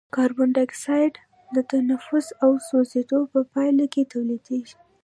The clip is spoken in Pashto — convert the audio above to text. کاربن ډای اکساید د تنفس او سوځیدو په پایله کې تولیدیږي.